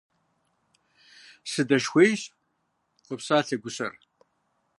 – Сыдэшхуейщ, – къопсалъэ гущэр.